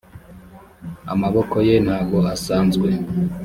amaboko ye ntago asanzwe.